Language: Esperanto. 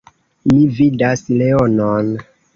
Mi vidas leonon.